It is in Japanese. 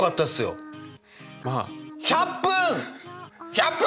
１００分！